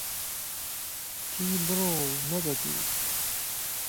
کوتی بڕۆ و مهبه گیر